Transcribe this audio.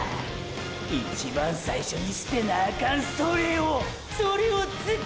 一番最初に捨てなあかんそれをーーそれを使て？